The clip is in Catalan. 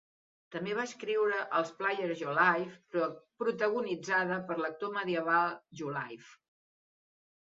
També va escriure els "Player Joliffe", protagonitzada per l'actor medieval Joliffe.